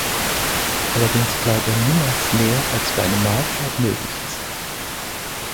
Allerdings klaut er niemals mehr als für eine Mahlzeit nötig ist.